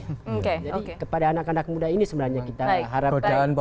oke jadi kepada anak anak muda ini sebenarnya kita harapkan